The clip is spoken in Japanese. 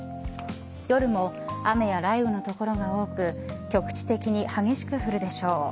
夜も雨や雷雨の所が多く局地的に激しく降るでしょう。